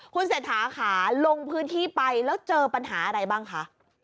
คุณเศรษฐาค่ะลงพื้นที่ไปแล้วเจอปัญหาอะไรบ้างคะ